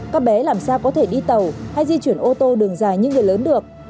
các bé làm sao có thể đi tàu hay di chuyển ô tô đường dài như người lớn được